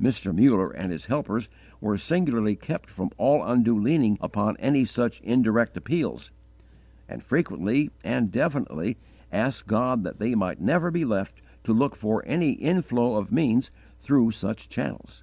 Mr. Muller and his helpers were singularly kept from all undue leaning upon any such indirect appeals, and frequently and definitely asked God that they might never be left to look for any inflow of means through such channels.